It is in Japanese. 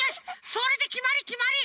それできまりきまり！